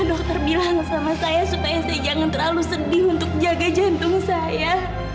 dokter bilang sama saya supaya saya jangan terlalu sedih untuk jaga jantung saya